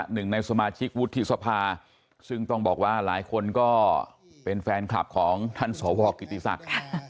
หนึ่งในสมาชิกวุฒิสภาซึ่งต้องบอกว่าหลายคนก็เป็นแฟนคลับของท่านสวกิติศักดิ์